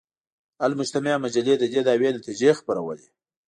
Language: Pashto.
المجتمع مجلې د دې دعوې نتیجې خپرولې.